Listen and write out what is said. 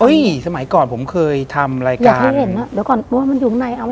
เฮ้ยสมัยก่อนผมเคยทำรายการอยากให้เห็นอ่ะเดี๋ยวก่อนว่ามันอยู่ข้างใน